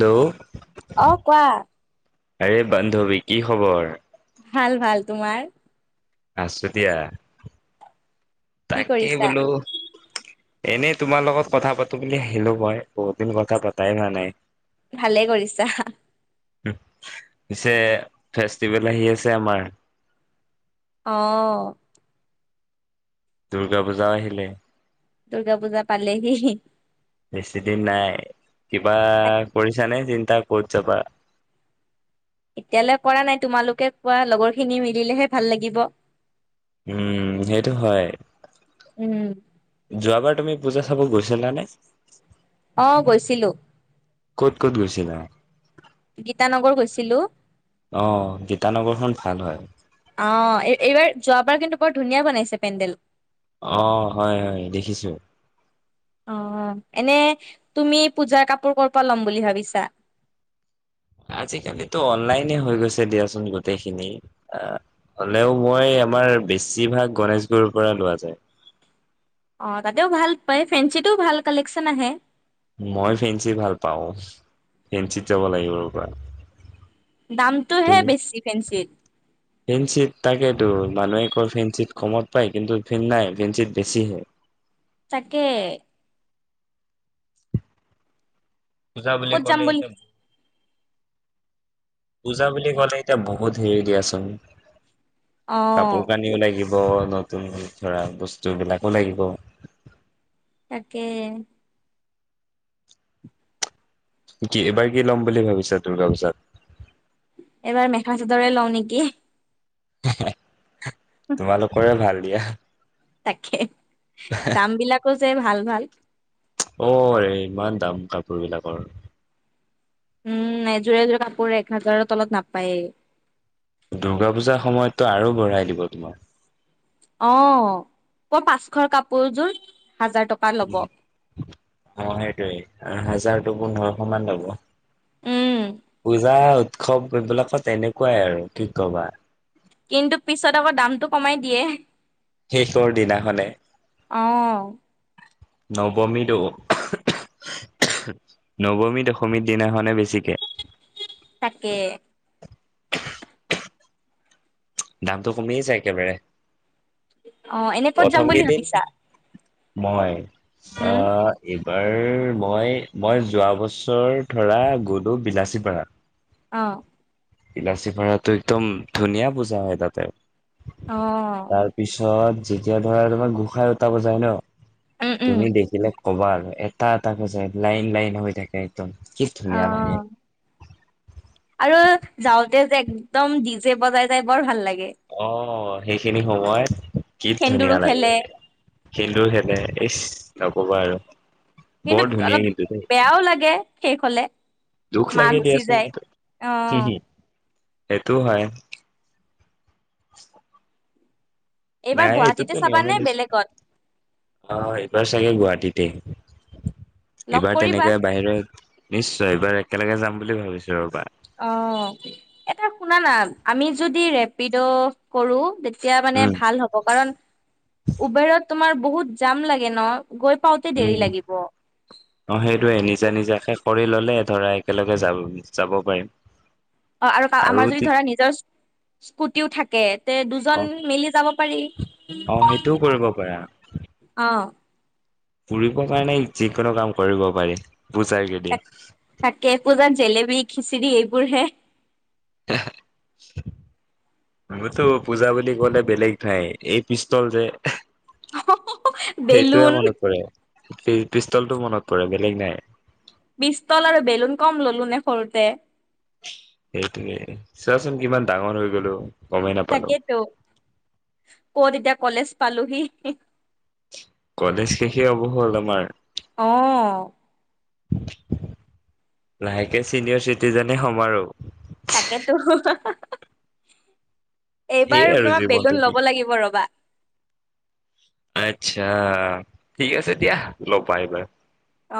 Hello অ' কোৱা। আৰে বান্ধৱী কি খবৰ? ভাল ভাল। তোমাৰ? আছো দিয়া। কি তাকেই কৰিছা বোলো এনেই তোমাৰ লগত কথা পাতো বুলি আহিলো মই, বহুত দিন কথা পাতাই হোৱা নাই। ভালেই কৰিছা। পিছে, ফেষ্টিভেল আহি আছে আমাৰ অ'। দুৰ্গা পূজাও আহিলেই দুৰ্গা পূজা পালেহি। বেছি দিন নাই, কিবা তাক কৰিছা নে? তাৰ কত যাবা? এতিয়ালৈ কৰা নাই। তোমালোকে কোৱা, লগৰ খিনি মিলিলেহে ভাল লাগিব। উম সেইটো হয়, উম যোৱাবাৰ তুমি পূজা চাব গৈছিলা নে? অ' গৈছিলোঁ। ক'ত ক'ত গৈছিলা? গীতানগৰ গৈছিলো। অ গীতানগৰখন ভাল হয়। অ', এই-এইবাৰ, যোৱাবাৰ কিন্তু বৰ ধুনীয়া বনাইছে পেণ্ডেল। অ', হয়, হয়, দেখিছো। অ এনে তুমি পূজাৰ কাপোৰ ক'ৰ পৰা ল'ম বুলি ভাবিছা? আজিকালিটো অনলাইনে হৈ গৈছে দিয়াচোন গোটেইখিনি। আ হ'লেও মই আমাৰ বেছিভাগ গনেশগুৰিৰ পৰা লোৱা যায়। অ', তাতেও ভাল পায়। ফেঞ্চিতটোও ভাল কালেকচন আহে। মই ফেঞ্চি ভাল পাওঁ। ফেঞ্চিত যাব লাগিব ৰবা। দামটো হে বেছি ফেঞ্চিত। ফেঞ্চিট তাকেতো, মানুহে কয় ফেঞ্চিট কমত পায় কিন্তু ফে-নাই ফেঞ্চিট বেছিহে। তাকেই। পূজা বুলি ক'ত যাম ক'লে এতিয়া পূজা বুলি ক'লে এতিয়া বহুত হেৰি দিয়াচোন অ কাপোৰ কানিও লাগিব নতুন ধৰা বস্তু বিলাকো লাগিব। তাকে কি এবাৰ কি ল'ম বুলি ভাবিছা দূৰ্গা পূজাত? এইবাৰ মেখা চাদৰে লওঁ নেকি [inaudible] তোমালোকৰে ভাল। দিয়া। তাকে। দাম বিলাকোজ যে ভাল ভাল। অ' ৰে ইমান দাম কাপোৰ বিলাকৰ। উম, এযোৰ এযোৰে কাপোৰ এক-হাজাৰৰ তলত নাপায়েই। দুৰ্গা পূজাৰ সময়তটো আৰু বঢ়াই দিব, তোমাৰ। অ' ক'ৰ পাঁচশৰ কাপোৰযোৰ হাজাৰ টকা ল'ব অ' সেইটোৱে, আৰু হাজাৰ পোন্ধৰশ মান ল'ব। উম পূজা, উৎসৱ এইবিলাকত এনেকুৱাই আৰু কি ক'বা। কিন্তু, পিছত আকৌ দামটো কমাই দিয়ে। শেষৰ দিনাখনে। অ নৱমীটো, নৱমী-দশমীৰ দিনাখনে বেছিকে। তাকে। দামটো কমিয়ে যায় একেবাৰে। অ' এনে ক'ত যাম প্ৰথম বুলি কেইদিন ভাবিছা? মই? অ, উম এই বাৰ মই-মই যোৱা বছৰ ধৰা গ'লো বিলাচীপাৰা। অ', বিলাচিপাৰাটো একদম ধুনীয়া পূজ পুজা হয় তাতে। অ তাৰপিছত যেতিয়া ধৰা তোমাৰ গোঁসাই অতাব যায় ন'? উম উম তুমি দেখিলে ক'বা আৰু এটা-এটা [unintelligible] যে লাইন-লাইন হৈ থাকে ত' কি অ ধুনীয়া লাগে। আৰু যাওঁতে যে একদম ডিজে বজাই যাই বৰ ভাল লাগ অ', সেইখিনি সময় কিহ সেন্দুৰো ধুনীয়া লাগে, খেলে সিন্দুৰ খেলে এ নক'বা আৰু। বৰ কিন্তু ধুনীয়া অলপ কিন্তু দেই বেয়াও লাগে শেষ হলে। দুখ মা লাগে গুচি দিয়াছোন যায়। উম। সেইটো হয়। এইবাৰ নাই গুৱাহাটীতে এইটোতো চাবানে নিয়মেই দিয়াচোন। বেলেগত অঁ এইবাৰ চাগে গুৱাহাটীত তেই লগ এইবাৰ কৰিবা তেনেকে বাহিৰত নিশ্চয় এইবাৰ একেলগে যাম বুলি ভাবিছো ৰ'বা।। অ' এটা শুনানা আমি যদি ৰেপিড কৰো। এতিয়া মানে উম ভাল হ'ব কাৰণ উবেৰত। তোমাৰ বহুত যাম লাগে ন। গৈ পাওঁতে উম দেৰি লাগিব। অ' সেইটোয়ে নিজা নিজাকে কৰি ল'লে। ধৰা একেলগে যাব যাব পাৰিম। অ' আৰু আমাৰ যদি ধৰা নিজৰ স্কুটিও থাকে তে অ দুজন মিলি যাব পাৰি অ সেইটোও কৰিব পাৰা অ। ফুৰিবৰ কাৰণে যিকোনো কাম কৰিব পাৰি। পূজাৰ কেইদিন। তাকে পূজাত জেলেপি।। খিচিৰি এইবোৰ হে মোৰতো পূজা বুলি কলে বেলেগ ঠাই এই পিষ্টল যে। সেইটোৱেই বেলুন মনত পৰে। পিষ্টলটো মনত পৰে বেলেগ নাই। পিষ্টল আৰু বেলুন কম ললো নে সৰুতে। সেইটোকে চোৱাচোন কিমান ডাঙৰ হৈ গলোঁ। তাকেটো ক'ত এতিয়া। কলেজ পালোহি। কলেজ শেষে হ'ব হ'ল আমাৰ। আহ। লাহেকে চিনিয়ৰ চিটিজেনে হ'ম আৰু। তাকেতো। সেই এইবাৰ আৰু তোমাৰ জীৱনটো বেলুন কি ল'ব লাগিব ৰ'বা। আচ্ছা ঠিকে আছে দিয়া লগ পাই পাই।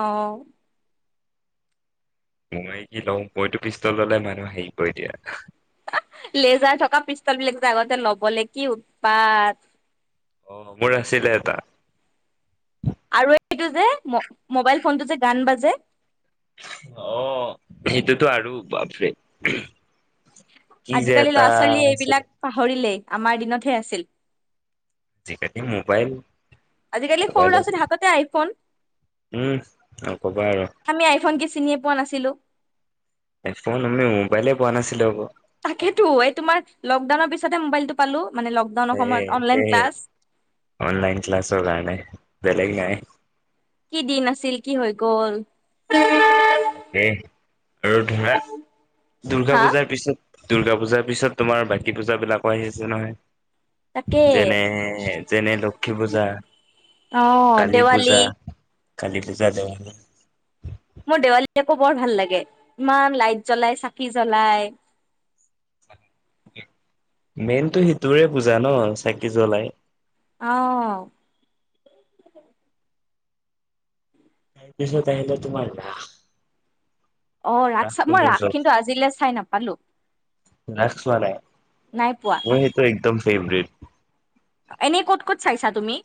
অ ' মই কি লওঁ মইতো পিষ্টল ললে মানুহ হেৰি ক দিয়া। লেজাৰ থকা পিষ্টল বিলাক যে আগতে ল'বলৈ কি উৎপাত। অহ মোৰ আছিলে এটা। আৰু এইটো যে ম। মোবাইল ফোনটো যে গান বাজ। যে অ সেইটোতো আৰু। বাপৰে। কি যে আজিকালি এটা ল'ৰা-ছোৱালীয়ে আছিলে এইবিলাক পাহৰিলেই। আমাৰ দিনতহে আছিল। যি কেতি মোবাইল। আজিকালি সৰু মোবাইলত ল'ৰা-ছোৱালী হাততে আইফোন। উম নকবা আৰু আমি আইফোন কি চিনিয়ে পোৱা নাছিলো। আইফোন! আমি মোবাইলে পোৱা নাছিলো আকৌ। তাকেতো এই তোমাৰ লকডাউনৰ পিছতহে মোবাইলটো পালোঁ। হে -হে -হে- অনলাইন ক্লাছৰ কাৰণে। বেলেগ নাই। কি দিন আছিল! কি হৈ গল। তাকেহ। আৰু ধৰা, দুৰ্গা হা পূজাৰ পিছত দুূৰ্গা পূজাৰ পিছত তোমাৰ বাকী পূজা বিলাকো আহি আছে নহয়। তাকে যেনে যেনে লক্ষী পূজা, অ' কালী দেৱালী পূজা কালী পূজা, দেৱালী মোৰ দেৱালী আকো বৰ ভাল লাগে। ইমান লাইট জ্বলায়। চাকি জ্বলায়। মেইনটো সিটোৰে পূজা ন চাকি জ্বলায়। অহ পিছত আহিলে তোমাৰ ৰাস অ ৰাস চাব, ৰাসটো মই মোৰ জ ৰাস কিন্তু আজিলৈ চাই নাপালো। ৰাস চোৱা নাই নাই পোৱা। মোৰ সেইটো একদম ফেভৰেট। এনেই ক'ত ক'ত চাইছা তুমি?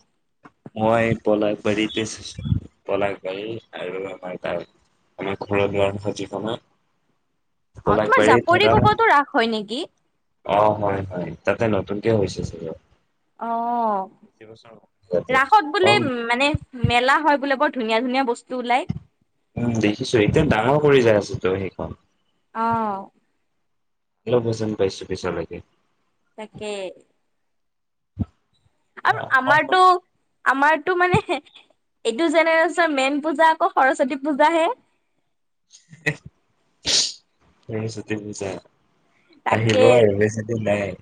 মই পলাশবাৰীতে চাইছো। পলাশবাৰী আৰু আমাৰ তাত আমাৰ ঘৰৰদুৱাৰ মুখত জিখন হয় অ তোমাৰ জাপৰি কোকতো ৰাস হয় নেকি? অ হয়। হয়। তাতে নতুনকে হৈছে চাগে। অ বেছি বছৰ হোৱা নাই তাতে ৰাসত বোলে অ' মানে মেলা হয় বোলে বৰ ধুনিয়া ধুনিয়াবস্তু উম দেখিছো। একদম ডাঙৰ কৰি যাই আছে। সেইখন অহ [unintelligible] তাকে। আৰু আমাৰতো- আমাৰটো মানে এইটো জেনেৰেশ্যনৰ মেইন পূজা আকৌ সৰস্বতী পূজাহে। সৰস্বতী পূজা তাকে আহিব আৰু বেছি দিন নাই।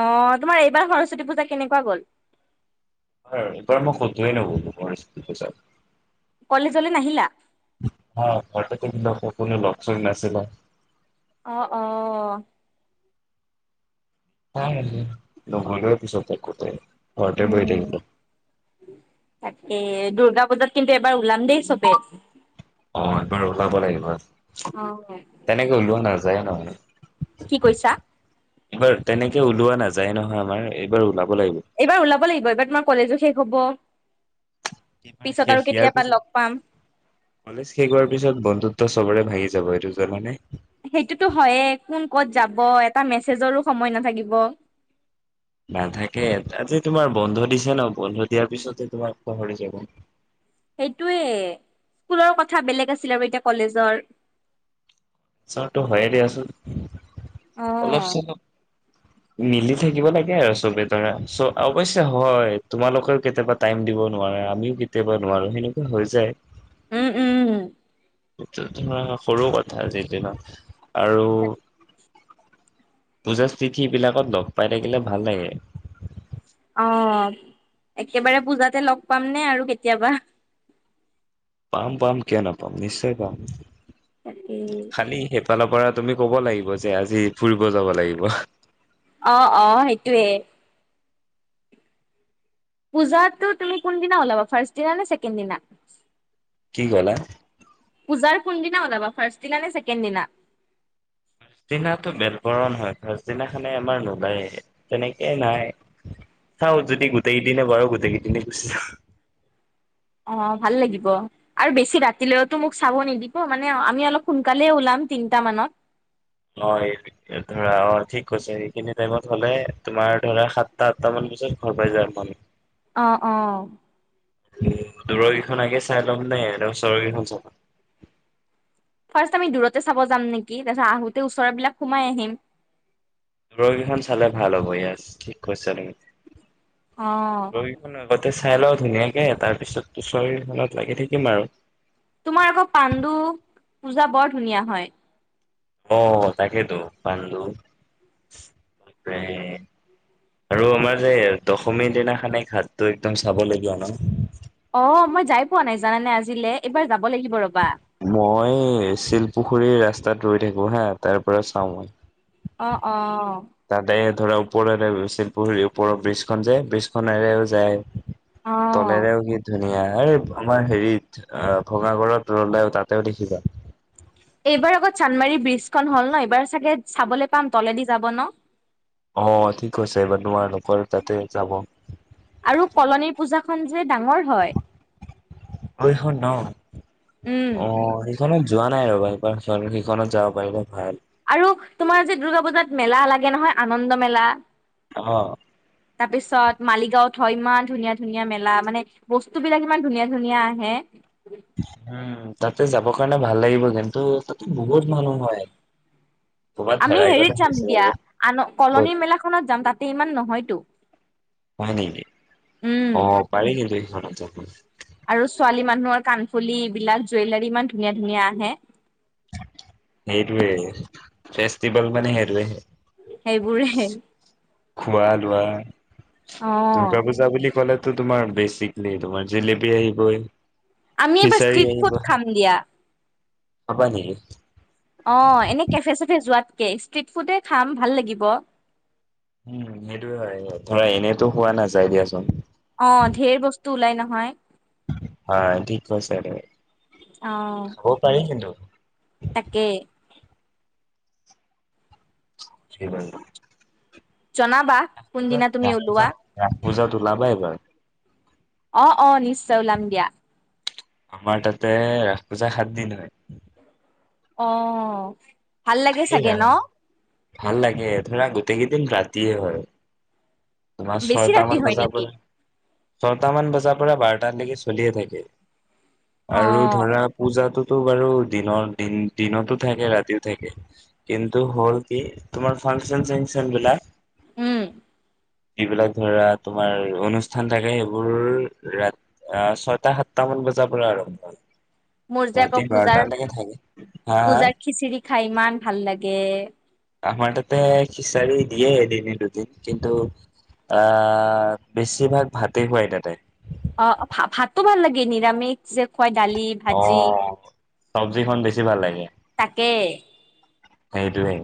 অ তোমাৰ এইবাৰ সৰস্বতী পূজা কেনেকুৱা গ'ল? এইবাৰ-এইবাৰ মই ক'তোৱে নগ'লো সৰস্বতী কলেজলৈ নাহিলা পূজাত। [unintelligible] কোনো লগ চগ নাছিলা। অ', অ', [unintelligible] নহলেওঁ পিছতে কৰি ঘৰতে বহি উম থাকিব। দুগা পূজাত কিন্তু এবাৰ ওলাম দেই চবে। অ' হেইটো ৰ'দাব লাগিব আজি তেনেকে ওলোৱা নাযায় ন। কি কৈছা? এইবাৰ তেনেকে ওলোৱা নাযায় নহয় আমাৰ এইবাৰ ওলাম। এইবাৰ ওলাব লাগিব। এইবাৰৰ তোমাৰ কলেজো শেষ হ'বৰ এইবাৰ শেষ ইয়াৰ পিছত কলেজ শেষ হোৱাৰ পিছত বন্ধুত তোৰ চবৰে ভাঙি যাব, এইটো জানানে? সেইটোতো হয়ে কোন ক'ত যাব, এটা মেছেজৰো সময় নাথাকিব। নাথাকে, আজি তোমাৰ বন্ধ দিছে ন বন্ধ দিয়াৰ পিছতে তোমাক পাহৰি যাব। সেইটোৱে স্কুলৰ কথা বেলেগ আছিল আৰু এতিয়া কলেজৰ চৰ্ট টো হয়য়ে দিয়াচোন। অলপ আহ চলপ মিলি থাকিব লাগে আৰু চবে ধৰা চ অৱশ্যে হয় তোমালোকেও কেতিয়াবা টাইম দিব নোৱাৰাঁ। আমিও কেতিয়াবা নোৱাৰোঁ, সেনেকুৱা হৈ যায়। উম, উম, উম। টো, ধৰা সৰু কথা আজিৰ দিনত। আৰু পূজা [unintelligible] বিলাকত লগ পাই থাকিলে ভাল লাগে। অ', একেবাৰে পূজাতে লগ পামনে আৰু কেতিয়াবা? পাম, পাম কিয় নাপাম? নিশ্চয় পাম। তাকে খালী সেফালৰ পৰাত তুমি ক'ব লাগিব যে, আজি ফুৰিব যাব লাগিব। অ', অ', সেইটোৱে। পূজাতো তুমি কোনদিনা ওলাবা? ফাৰ্চ দিনানে ছেকেণ্ড দিনা? কি ক'লা? পূজাৰ কোনদিনা ওলাবা? ফাৰ্ষ্ট দিনানে ছেকেণ্ড দিনা? দিনাটো বেলবৰণ হয়। দিনাখনে আমাৰ নোলায়ে, তেনেকে নাই। চাওঁ যদি গোটেই দিনে পাৰোঁ গোটেইকেই দিনে গুচি [unintelligible] অ', ভাল লাগিব, আৰু বেছি ৰাতিলেওতো মোক চাব নিদিব মানে, আমি অলপ সোনকালেই ওলাম তিনিটা মানত। অ', এই ধৰা অ', ঠিক কৈছে সেইখিনি টাইমত হ'লে তোমাৰ ধৰা সাতটা, আঠটা মান বজাত ঘৰ পায় যাম আমি। অ', অ'। দূৰৰকেইখন আগে চাই ল'ম নে এ ওচৰৰকেইখন চাব? ফাৰ্ষ্ট আমি দূৰতে চাব যাম নেকি, তাৰপিছত আহোঁতে ওচৰবিলাক সোমাই আহিম। দূৰকেইখন চালে ভাল হ'ব, ইয়েছ ঠিক কৈছা তুমি। অ দূৰগিখন আগতে চাই চাই লওঁ ধুনীয়াকে। তাৰপিছত ওচৰগিখনত লাগি থাকিম আৰু। তোমাৰ আকৌ পাণ্ডু পূজা বৰ ধুনীয়া হয়। অ', তাকেইেতো পান্দো, তাৰ আৰু আমাৰ যে দশমীৰ দিনাখে ঘাটটো একদম চাব লগীয়া ন? অ', মই যাই পোৱা নাই জানানে আজিলে। এইবাৰ যাব লাগিব ৰবা। মই শিলপুখুৰীৰ ৰাস্তাত ৰৈ থাকো হা, তাৰ পৰা চাওঁ মই। অ', অ'। তাতে ধৰা ওপৰ শিলপুখুৰীৰ ওপৰৰ ব্ৰ্ৰীজখন যায় ব্ৰ্ৰীজ খনেৰেও যায়। অ তলেৰেও কি ধুন ধুন এই আমাৰ হেৰিত ভঙাগডৰত ৰলেও তাতেও দেখিবা এইবাৰ আগত চান্দমাৰী ব্ৰীজ খন হল ন এইবাৰ চাগে চাবলৈ পাম তলেদি যাব ন অ', ঠিক কৈছা এইবাৰ তোমালোকৰ তাতে যাব। ৰু কলনীৰ পূজা খন যে, ডাঙৰ হয় অ', এইখন ন উম অ' সেইখনত যোৱা নাই এবাৰ [inaudible] আৰু তোমাৰ যে, দুৰ্গা পূজাত মেলা লাগে নহয় আনন্দ মেলা অ তাৰপিছত মালিগাঁওত থ ইমান ধুনীয়া-ধুনীয়া মেলা মানে বস্তু বিলাক ইমান ধুনীয়া-ধুনীয়া আহে উম তাক তাতে যাবৰ কাৰণে ভাল লাগিব, কিন্তু তাতে বহুত মানুহ হয়। ক'ৰবাত আমি হেৰাই গ'লে হেৰিত যাম হৈছে দতিয়া আৰু আন ক'ত কলনী মেলাখনত যাম তাতে ইমান নহয়তো হয় নি, উম অ' পাৰ [unintelligible] [unintelligible] আৰু ছোৱালী মানুহৰ কাণফুলি এইবিলাক জুৱেলাৰী ইমান ধুনীয়া-ধুনীয়া আহে। সেইটোৱেই ফেষ্টিভেল মানে সেটোৱে সেইবোৰহে। খোৱা লোৱা। দুৰ্গা পূজা বুলি ক'লে টো তোমাৰ বেচিকেলি তোমাৰ জিলেপি আহিবই। আমি এইবাৰ খিচাৰি ষ্ট্ৰিট আহিব ফুড খাম দিয়া। খাবা নেকি? অ', এনেই কেফে চেফে যোৱাত কে ষ্ট্ৰিট ফুডে খাম, ভাল লাগিব। উম, সেইটোৱে হয়, ধৰা এনেইটো খোৱা নাযায় দিয়াচোন। অ, ধেৰ বস্তু ওলাই ন। হয়। হা থিক কৈছা অ হ'ব পাৰে কিন্ত তাকে [unintelligible] জনাবা পূজাত কোনদিনা তুমি ৰাস ওলোৱা পূজাত ৰাস পূজাত ওলাবা এইবাৰ। অ-অ নিশ্চয় ওলাম দিয়া। আমাৰ তাতে ৰাস পূজা সাত দিন হয়। অ'। ভাল লাগে খালি চাগে ৰাস ন? ভাল লাগে ধৰা গোটেইকেইদিন ৰাতিয়ে হয়। তোমাৰ বেছি ৰাতি ছয়টামান হয় বজাৰ নেকি পৰা ছয়টামান বজাৰ তাৰ পৰা বাৰটাৰ লৈকে চলিয়ে থাকে। অ আৰু ধৰা পূজাতো তো বাৰু দিনৰ দিন দিনতো থাকে ৰাতি কিন্তু হ'ল কি তোমাৰ ফাংচন চাংচন বিলাক উম। যিবিলাক ধৰা তোমাৰ অনুষ্ঠান থাকে সেইবোৰ ৰাতি ছয়টা সাতটা মান বজাৰ পৰা আৰম্ভ হয়। মোৰ যে ৰাতি আকৌ পূজাৰ বাৰটালৈকে থাকে হা হা পূজাৰ খিচিৰি খাই ইমান ভাল লাগে। আমাৰ তাতে খিচাৰি দিয়ে এদিননে দুদিন কিন্তু আ' বেছিভাগ ভাতেই খুৱাই তাতে। অ' ভাত ভাতো ভাল লাগে নিৰামিষ যে খুৱাই দালি, ভাজি। চব্জি খন বেছি ভাল লাগে। তাকে। সেইটো হয়।